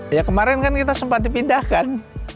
ya kemarin kan kita sempat dipindahkan